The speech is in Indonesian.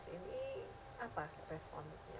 ini apa responnya